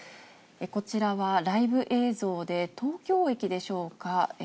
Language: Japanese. こちらはライブ映像で、東京駅でしょうか。